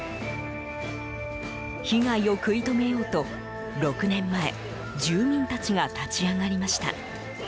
被害を食い止めようと６年前住民たちが立ち上がりました。